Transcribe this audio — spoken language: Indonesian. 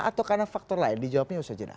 atau karena faktor lain di jawabnya usah jenak